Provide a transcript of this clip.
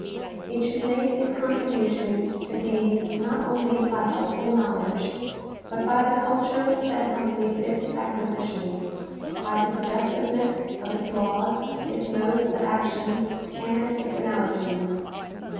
It should make its contribution to these not only by helpful knowledge, but by the culture that accompanies its acquisition, by the suggestiveness of its laws, its modes of action, and its analogies.